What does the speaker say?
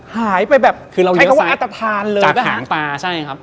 หายไปแบบใครเขาว่าอัตภัณฑ์เลยคือเราเลี้ยวซ้ายจากหางตาใช่ครับ